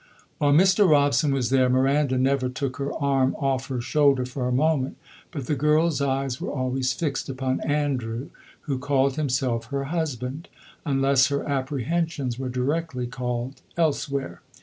While Mr. Robson was there Miranda never took her arm off her shoulder for a moment; but the girl's eyes were always fixed upon Andrew, who called himself her husband, unless her apprehensions were directly called elsewhere.